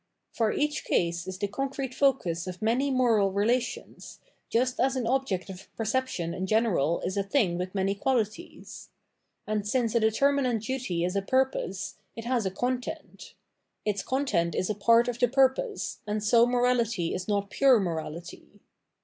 For each case is the concrete focus of many moral relations, just as an object of perception in general is a thing with many qualities. And since a determinate duty is a purpose, it has a content ; its content is a part of the purpose, and so morality is not pure morality.